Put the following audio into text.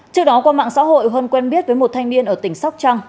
trước đó qua mạng xã hội huân quen biết với một thanh niên ở tỉnh sóc trăng